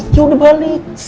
ya udah balik